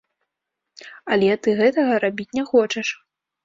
Але ты гэтага рабіць не хочаш!